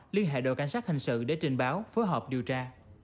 liên hệ đội cảnh sát hình sự để trình báo phối hợp điều tra